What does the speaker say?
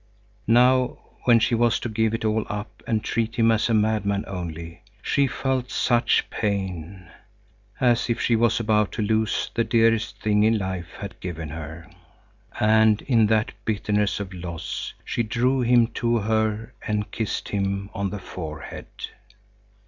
Now, when she was to give it all up and treat him as a madman only, she felt such pain, as if she was about to lose the dearest thing life had given her. And in that bitterness of loss she drew him to her and kissed him on the forehead.